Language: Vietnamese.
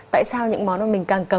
tại sao những món mà mình càng cấm